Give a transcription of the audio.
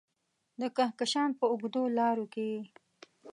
د کهکشان په اوږدو لارو کې یې